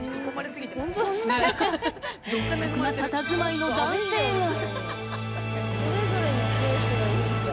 そんな中独特なたたずまいの男性が。